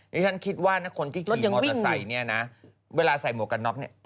ดิฉันคิดว่านะคนที่ขี่มอเตอร์ไซค์เนี่ยนะเวลาใส่หมวกกันน็อกเนี่ย